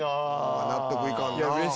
納得いかんな。